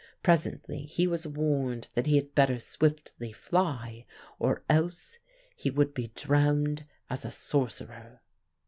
Presently he was warned that he had better swiftly fly or else he would be drowned as a sorcerer.